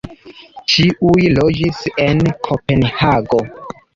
Ĉiuj loĝis en Kopenhago.